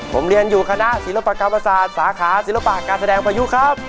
ผมเรียนอยู่คณะศิลปกรรมศาสตร์สาขาศิลปะการแสดงพายุครับ